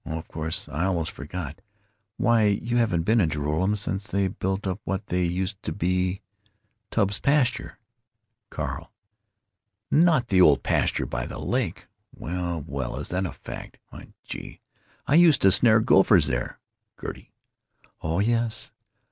Oh, of course, I almost forgot; why, you haven't been in Joralemon since they built up what used to be Tubbs's pasture." Carl: "Not the old pasture by the lake? Well, well! Is that a fact! Why, gee! I used to snare gophers there!" Gertie: "Oh yes.